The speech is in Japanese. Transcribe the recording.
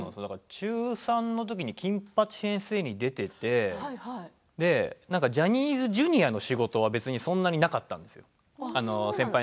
中３のときに金八先生に出ていてジャニーズＪｒ．の仕事はそんなになかったんですよ。